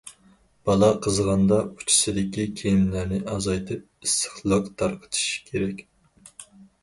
بالا قىزىغاندا ئۇچىسىدىكى كىيىملىرىنى ئازايتىپ، ئىسسىقلىق تارقىتىش كېرەك.